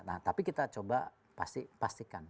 nah tapi kita coba pastikan